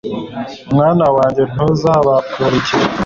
mwana wanjye, ntuzabakurikire